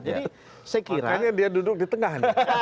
makanya dia duduk di tengah